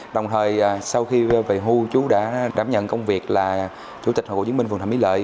đồng thời sau khi về hưu chú đã đảm nhận công việc là chủ tịch hội cựu chiến binh phường thạnh mỹ lợi